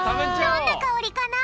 どんなかおりかな？